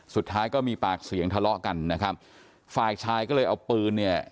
สุดท้ายก็มีปากเสียงทะเลาะกันนะครับฝ่ายชายก็เลยเอาปืนเนี่ย